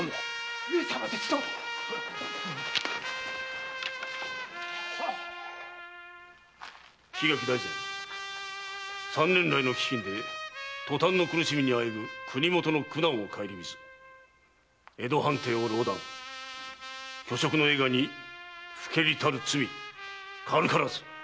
上様ですと⁉桧垣大膳三年来の飢饉で塗炭の苦しみにあえぐ国もとの苦難をかえりみず江戸藩邸を壟断虚飾の栄華に耽りたる罪軽からず。